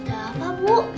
ada apa bu